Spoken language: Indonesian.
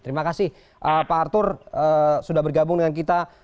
terima kasih pak arthur sudah bergabung dengan kita